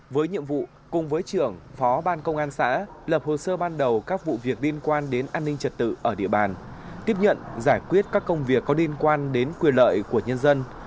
với nhiệm vụ cùng với trưởng phó ban công an xã lập hồ sơ ban đầu các vụ việc liên quan đến an ninh trật tự ở địa bàn tiếp nhận giải quyết các công việc có liên quan đến quyền lợi của nhân dân